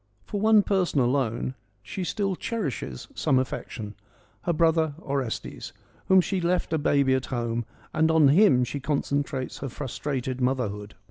For one person alone she still cherishes some affection, her brother Orestes, whom she had left a baby at home, and on him she concentrates her frustrated motherhood